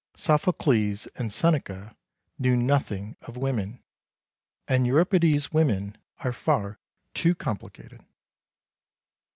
Sophocles and Seneca knew nothing of women; and Euripides' women are far too complicated.